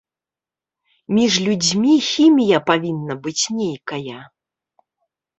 Між людзьмі хімія павінна быць нейкая.